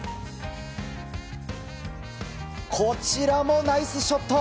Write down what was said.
こちらもナイスショット！